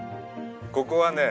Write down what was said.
ここはね